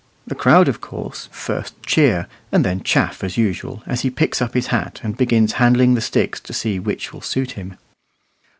The crowd, of course, first cheer, and then chaff as usual, as he picks up his hat and begins handling the sticks to see which will suit him.